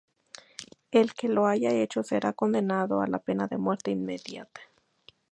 El que lo haya hecho será condenado a la pena de muerte inmediata.